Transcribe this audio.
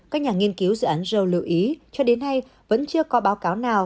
các nhà nghiên cứu dự án jor lưu ý cho đến nay vẫn chưa có báo cáo nào